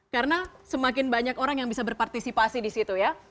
karena semakin banyak orang yang bisa berpartisipasi di situ ya